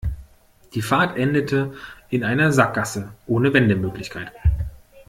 Die Fahrt endete in einer Sackgasse ohne Wendemöglichkeit.